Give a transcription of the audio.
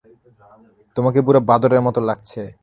তোমাকে পুরো বাদরের মতো লাগছে।